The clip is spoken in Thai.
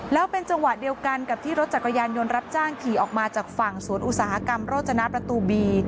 แล้วเป็นจังหวะเดียวกันกับที่รถจักรยานยนต์รับจ้างขี่ออกมาจากฝั่งสวนอุตสาหกรรมโรจนะประตูบี